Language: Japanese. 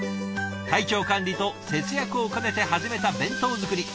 体調管理と節約を兼ねて始めた弁当作り。